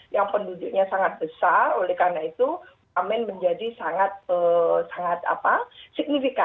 yang penduduknya sangat besar oleh karena itu amen menjadi sangat signifikan